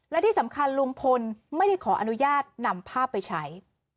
และที่สำคัญลุงพลไม่ได้ขออนุญาตนำภาพไปใช้